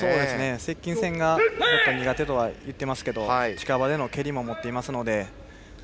接近戦が苦手とは言っていますが近場での蹴りも持っています。